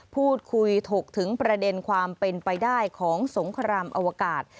พูดคุยถกถึงประเด็นความเป็นไปได้ของสงครามอวกาศ